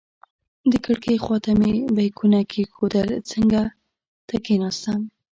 د کړکۍ خواته مې بیکونه کېښودل، څنګ ته کېناستم.